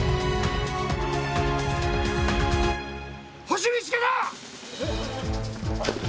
星見つけた！